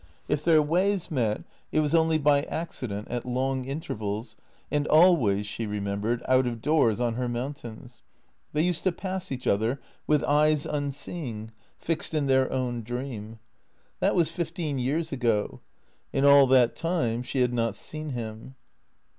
If their ways met it was only by accident, at long intervals, and always, she remembered, out of doors, on her mountains. They used to pass each other with eyes unseeing, fixed in their own dream. That was fifteen years ago. In all that time she had not seen him.